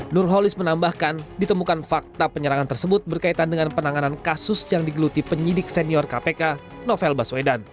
nurholis menambahkan ditemukan fakta penyerangan tersebut berkaitan dengan penanganan kasus yang digeluti penyidik senior kpk novel baswedan